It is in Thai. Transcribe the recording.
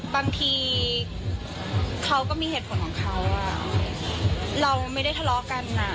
บางทีเขาก็มีเหตุผลของเขาเราไม่ได้ทะเลาะกันอ่ะ